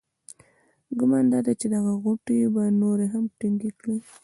ګمان دادی چې دغه غوټې به نورې هم ټینګې کړي.